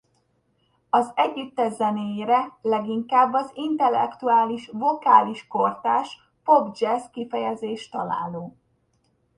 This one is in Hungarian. Az együttes zenéjére leginkább az intellektuális vokális kortárs pop-jazz kifejezés találó.